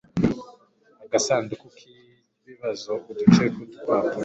agasanduku ki bibazo uduce tw'udupapuro